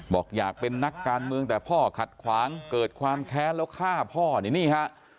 บอกอยากเป็นนักการเมืองแต่พ่อขัดขวางเกิดความแค้นแล้วฆ่าพ่อนี่นี่ฮะ